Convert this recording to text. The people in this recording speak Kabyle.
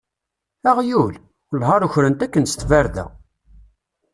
Aɣyul? Welleh ar ukren-t akken s tbarda!